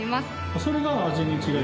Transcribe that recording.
それが味に違いが出る。